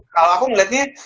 kalau aku melihatnya